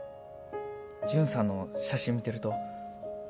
ジュンさんの写真見てると